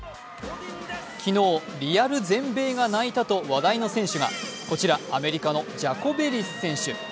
昨日、リアル全米が泣いたと話題の選手がこちら、アメリカのジャコベリス選手。